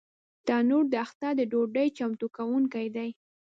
تنور د اختر د ډوډۍ چمتو کوونکی دی